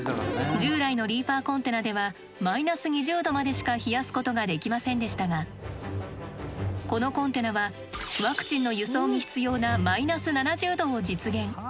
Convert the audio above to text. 従来のリーファーコンテナでは−２０℃までしか冷やすことができませんでしたがこのコンテナはワクチンの輸送に必要な−７０℃を実現。